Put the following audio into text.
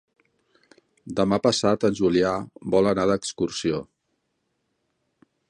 Demà passat en Julià vol anar d'excursió.